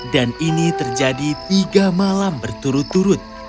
dan ini terjadi tiga malam berturut turut